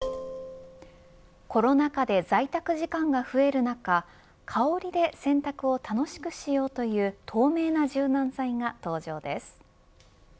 オープンコロナ禍で在宅時間が増える中香りで洗濯を楽しくしようという透明な柔軟剤が登場です。